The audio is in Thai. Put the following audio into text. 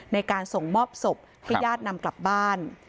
ในการส่งมอบศพให้ญาตินำกลับบ้าน